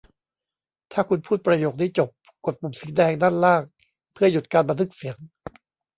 ถ้าคุณพูดประโยคนี้จบ กดปุ่มสีแดงด้านล่างเพื่อหยุดการบันทึกเสียง